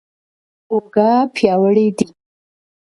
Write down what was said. اوږه پیاوړې دي.